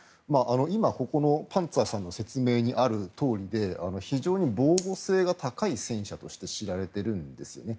今、ここの「パンツァー」さんの説明にあるとおりで非常に防護性が高い戦車として知られているんですね。